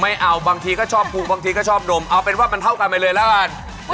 ไม่เอาบางทีก็ชอบผูกบางทีก็ชอบดมเอาเป็นว่ามันเท่ากันไปเลยแล้วกัน